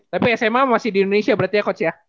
tapi sma masih di indonesia berarti ya coach ya